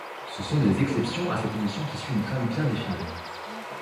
Ce sont des exceptions à cette émission qui suit une trame bien définie.